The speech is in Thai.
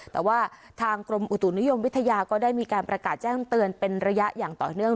แต่ว่าทางกรมอุตุนิยมวิทยาก็ได้มีการประกาศแจ้งเตือนเป็นระยะอย่างต่อเนื่อง